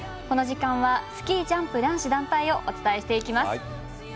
この時間はスキー・ジャンプ男子団体をお伝えしていきます。